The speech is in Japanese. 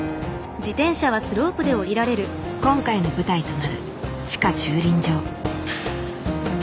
今回の舞台となる地下駐輪場。